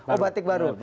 oh batik baru